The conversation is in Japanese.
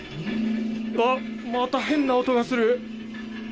また変な音がする。